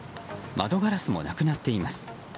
窓ガラスもなくなっています。